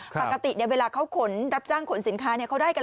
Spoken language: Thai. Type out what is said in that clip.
ปกติเนี่ยเวลาเขารับจ้างขนสินค้าเนี่ย